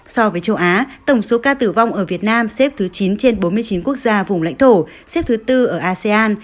so với châu á tổng số ca tử vong ở việt nam xếp thứ chín trên bốn mươi chín quốc gia vùng lãnh thổ xếp thứ tư ở asean